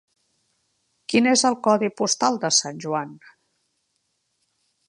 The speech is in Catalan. Quin és el codi postal de Sant Joan?